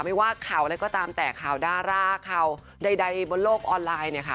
ไม่ว่าข่าวอะไรก็ตามแต่ข่าวดาราข่าวใดบนโลกออนไลน์เนี่ยค่ะ